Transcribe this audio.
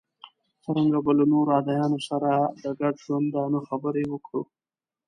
څرنګه به له نورو ادیانو سره د ګډ ژوندانه خبرې وکړو.